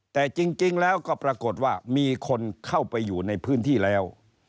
แต่จริงแล้วก็ปรากฏว่ามีคนเข้าไปอยู่ในพื้นที่แล้ว